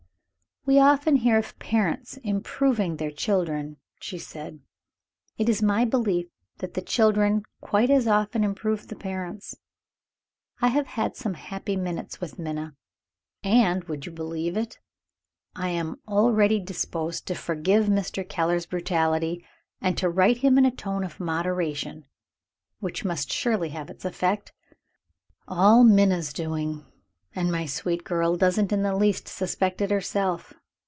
"We often hear of parents improving their children," she said. "It is my belief that the children quite as often improve the parents. I have had some happy minutes with Minna and (would you believe it?) I am already disposed to forgive Mr. Keller's brutality, and to write to him in a tone of moderation, which must surely have its effect. All Minna's doing and my sweet girl doesn't in the least suspect it herself!